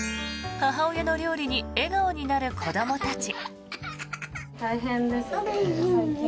母親の料理に笑顔になる子どもたち。